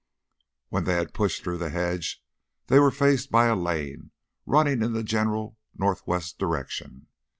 When they had pushed through the hedge they were faced by a lane running in the general northwest direction.